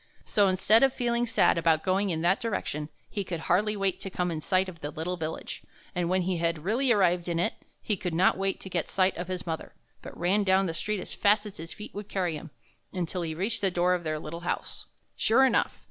So instead of feeling sad about going in that direction, he could hardly wait to come in sight of the little village; and when he had really arrived in it, he could not wait to get a sight of his mother, but ran down the street as fast as his feet would carry him, until he reached the door of their little house. Sure enough!